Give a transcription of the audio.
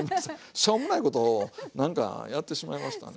しょうもないことをなんかやってしまいましたね。